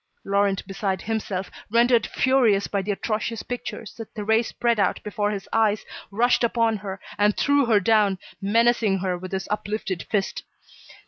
Laurent, beside himself, rendered furious by the atrocious pictures that Thérèse spread out before his eyes, rushed upon her, and threw her down, menacing her with his uplifted fist.